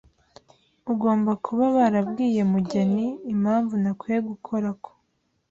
Ugomba kuba barabwiye Mugeni impamvu ntakwiye gukora ko.